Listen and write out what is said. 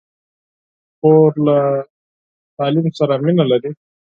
خور له تعلیم سره مینه لري.